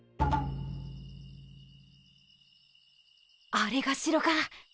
あれが城か？